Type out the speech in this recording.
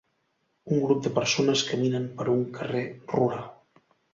Un grup de persones caminen per un carrer rural.